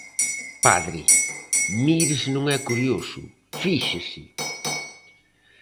Padre, mire se non é curioso, fíxese;